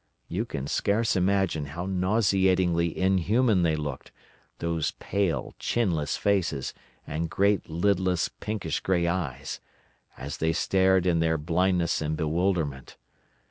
You can scarce imagine how nauseatingly inhuman they looked—those pale, chinless faces and great, lidless, pinkish grey eyes!—as they stared in their blindness and bewilderment.